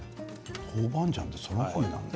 豆板醤ってそら豆なんだ。